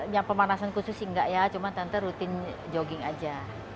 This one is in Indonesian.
yang pemanasan khusus sih enggak ya cuma tante rutin jogging aja